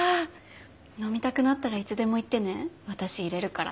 飲みたくなったらいつでも言ってね私いれるから。